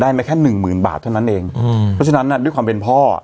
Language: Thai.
มาแค่หนึ่งหมื่นบาทเท่านั้นเองอืมเพราะฉะนั้นน่ะด้วยความเป็นพ่ออ่ะ